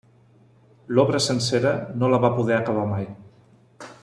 L'obra sencera no la va poder acabar mai.